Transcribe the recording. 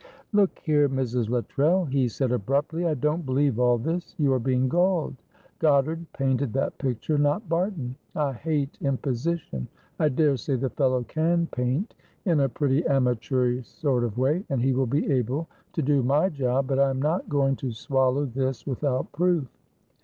"Look here, Mrs. Luttrell," he said, abruptly, "I don't believe all this. You are being gulled. Goddard painted that picture, not Barton; I hate imposition. I daresay the fellow can paint in a pretty amateurish sort of way, and he will be able to do my job, but I am not going to swallow this without proof.